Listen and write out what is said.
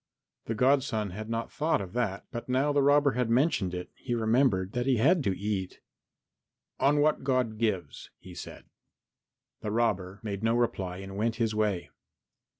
The godson had not thought of that, but now the robber had mentioned it he remembered that he had to eat. "On what God gives," he said. The robber made no reply and went his way.